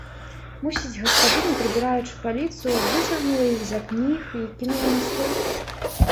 Мусіць, гаспадыня, прыбіраючы паліцу, выцягнула іх з-за кніг і кінула на стол.